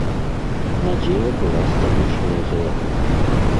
Надзея была старэйшая за яго.